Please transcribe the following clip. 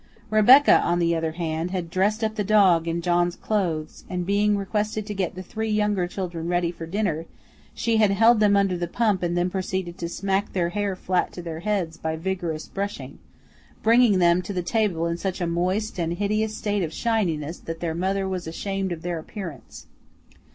Rebecca, on the other hand, had dressed up the dog in John's clothes, and being requested to get the three younger children ready for dinner, she had held them under the pump and then proceeded to "smack" their hair flat to their heads by vigorous brushing, bringing them to the table in such a moist and hideous state of shininess that their mother was ashamed of their appearance.